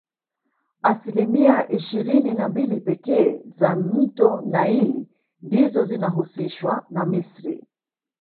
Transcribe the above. Asilimia ishirini na mbili pekee za mto nile ndizo zinahusishwa na misri